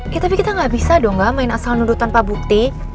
ya tapi kita nggak bisa dong nggak main asal nuduh tanpa bukti